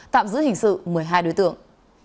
tạm giữ hình sự một mươi hai đối tượng